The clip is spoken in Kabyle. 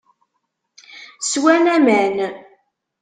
Swan aman.